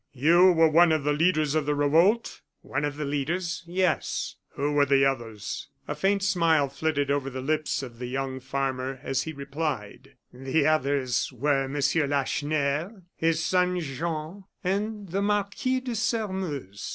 You were one of the leaders of the revolt?" "One of the leaders yes." "Who were the others?" A faint smile flitted over the lips of the young farmer, as he replied: "The others were Monsieur Lacheneur, his son Jean, and the Marquis de Sairmeuse."